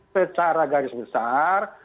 secara garis besar